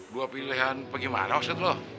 dua pilihan bagaimana maksud lo